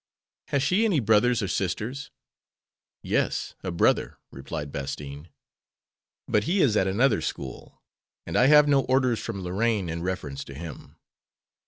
"Has she any brothers or sisters?" "Yes, a brother," replied Bastine; "but he is at another school, and I have no orders from Lorraine in reference to him.